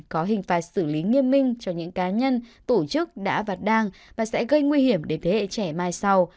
có hình phạt xử lý nghiêm minh cho những cá nhân tổ chức đã và đang và sẽ gây nguy hiểm đến thế hệ trẻ mai sau